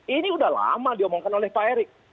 ini udah lama diomongkan oleh pak erick